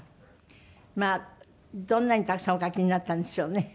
どんなにたくさんお書きになったんでしょうね。